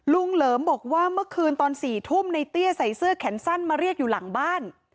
เหลิมบอกว่าเมื่อคืนตอน๔ทุ่มในเตี้ยใส่เสื้อแขนสั้นมาเรียกอยู่หลังบ้าน